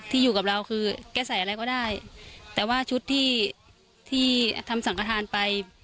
อยู่กับเราคือแก้ไขอะไรก็ได้แต่ว่าชุดที่ที่ทำสังขทานไป